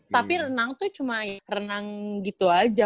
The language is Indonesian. tapi renang tuh cuma renang gitu aja